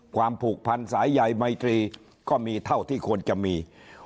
ผูกพันสายใหญ่ไมตรีก็มีเท่าที่ควรจะมี